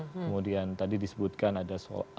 kemudian tadi disebutkan ada soal